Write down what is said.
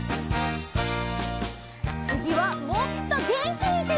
つぎはもっとげんきにいくよ！